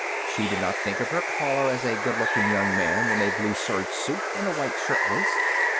She did not think of her caller as a good looking young man in a blue serge suit and a white shirtwaist.